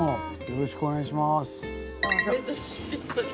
よろしくお願いします。